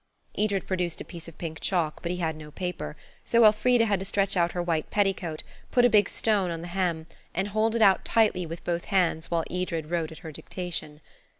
Edred produced a piece of pink chalk, but he had no paper, so Elfrida had to stretch out her white petticoat, put a big stone on the hem, and hold it out tightly with both hands while Edred wrote at her dictation.